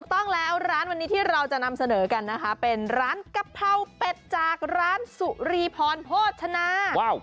ต้องแล้วร้านวันนี้ที่เราจะนำเสนอกันนะคะเป็นร้านกะเพราเป็ดจากร้านสุรีพรโภชนาว้าว